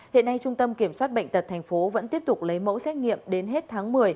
hiện nay trung tâm kiểm soát bệnh tật tp vẫn tiếp tục lấy mẫu xét nghiệm đến hết tháng một mươi